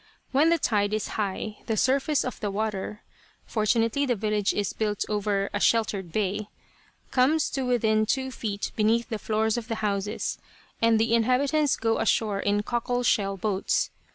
When the tide is high, the surface of the water fortunately the village is built over a sheltered bay comes to within two feet beneath the floors of the houses, and the inhabitants go ashore in cockle shell boats.